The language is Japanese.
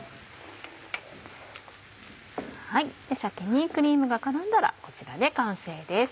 鮭にクリームが絡んだらこちらで完成です。